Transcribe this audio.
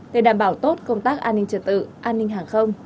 để đảm bảo tốt công tác an ninh trật tự an ninh hàng không